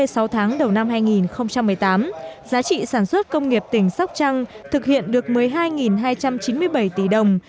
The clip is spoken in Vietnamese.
trong đầu năm hai nghìn một mươi tám giá trị sản xuất công nghiệp tỉnh sóc trăng thực hiện được một mươi hai hai trăm chín mươi bảy tỷ đồng